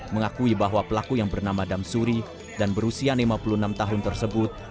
mengakui bahwa pelaku yang bernama damsuri dan berusia lima puluh enam tahun tersebut